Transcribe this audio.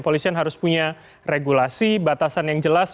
polisian harus punya regulasi batasan yang jelas